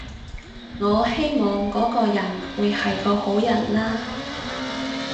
我希望嗰個人會係個好人啦